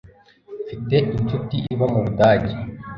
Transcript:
Mfite inshuti iba mu Budage.